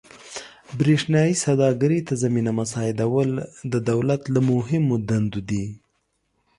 برېښنايي سوداګرۍ ته زمینه مساعدول د دولت له مهمو دندو دي.